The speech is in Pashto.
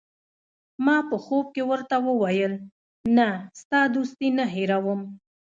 ما په ځواب کې ورته وویل: نه، ستا دوستي نه هیروم.